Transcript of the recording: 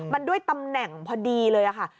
มันด้วยตำแหน่งพอดีเลยค่ะ